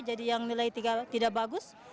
jadi yang nilai tidak bagus